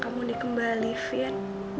kamu dikembali fiat